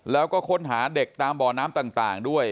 แล้วก็ค้นหาเด็กตามบ่อน้ำต่างด้วย